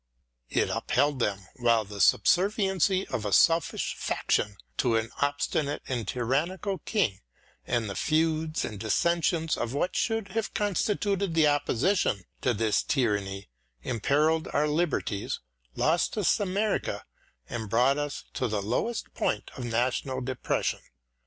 It upheld them while the subserviency of a selfish faction to an obstinate and tyrannical king and the feuds and dissensions of what should have EDMUND BURKE 55 constituted the opposition to this tyranny im perilled our liberties, lost us America, and brought us to the lowest point of national depression.